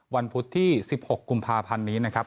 พุธที่๑๖กุมภาพันธ์นี้นะครับ